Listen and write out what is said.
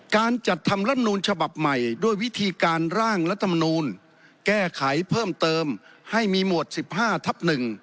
การจัดทำรัฐนูลฉบับใหม่ด้วยวิธีการร่างรัฐมนูลแก้ไขเพิ่มเติมให้มีหมวด๑๕ทับ๑